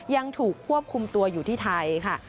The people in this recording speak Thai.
ยังถูกควบคุมตัวอยู่ที่ไทยค่ะ